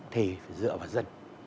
thì phải dựa vào dân